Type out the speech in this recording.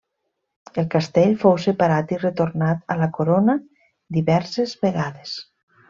El castell fou separat i retornat a la corona diverses vegades.